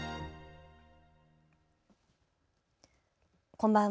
こんばんは。